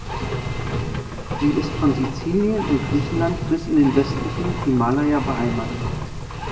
Sie ist von Sizilien und Griechenland bis in den westlichen Himalaja beheimatet.